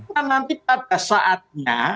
karena nanti pada saatnya